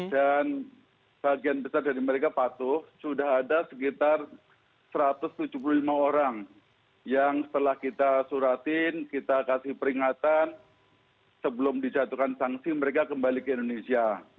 dan bagian besar dari mereka patuh sudah ada sekitar satu ratus tujuh puluh lima orang yang setelah kita suratin kita kasih peringatan sebelum dijatuhkan sanksi mereka kembali ke indonesia